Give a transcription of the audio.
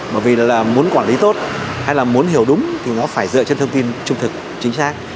bởi vì là muốn quản lý tốt hay là muốn hiểu đúng thì nó phải dựa trên thông tin trung thực chính xác